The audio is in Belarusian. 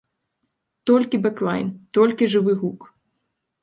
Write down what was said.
Толькі бэклайн, толькі жывы гук!